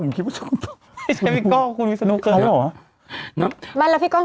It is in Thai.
ผมคิดว่าไม่ใช่พี่กล้องคุณวิสนูใครหรอน้ำแล้วพี่กล้อง